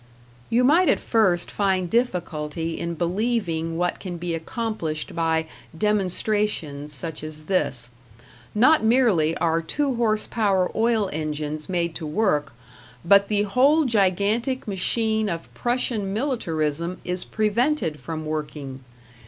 You might at first find difficulty in believing what can be accomplished by "demonstrations" such as this; not merely are two horse power oil engines made to work, but the whole gigantic machine of Prussian militarism is prevented from working.